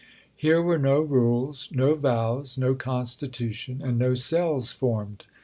Here were no rules, no vows, no constitution, and no cells formed.